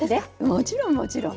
もちろんもちろん。